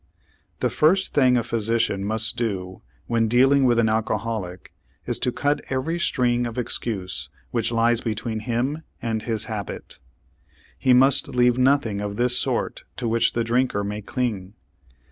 The first thing a physician must do when dealing with an alcoholic is to cut every string of excuse which lies between him and his habit. He must leave nothing of this sort to which the drinker may cling.